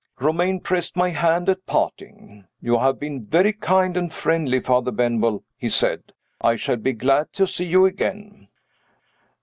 Romayne pressed my hand at parting. "You have been very kind and friendly, Father Benwell," he said. "I shall be glad to see you again."